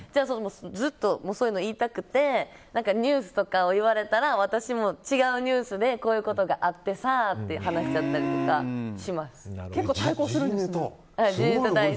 ずっとそういうの言いたくてニュースとかを言われたら私も違うニュースでこういうことがあってさって話しちゃったりします。